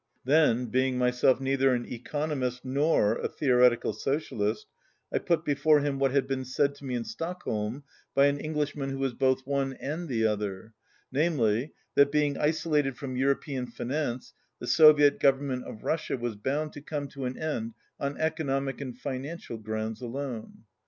Then, being myself neither an economist nor a theoretical socialist, I put before him what had 132 been said to mc in Stockholm by an Englishman who was both one and the other; namely, that, being isolated from European finance, the Soviet Government of Russia was bound to come to an end on economic and financial grounds alone.